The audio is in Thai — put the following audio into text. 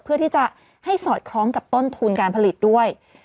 เพื่อที่จะให้สอดคล้องกับต้นทุนการผลิตด้วย